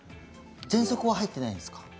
ぜんそくは入っていないんですか？